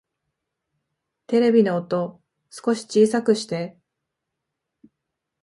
テレビの音、少し小さくして